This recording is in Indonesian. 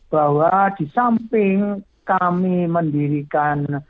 bahwa di samping kami mendirikan